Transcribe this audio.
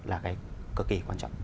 là cái cực kỳ quan trọng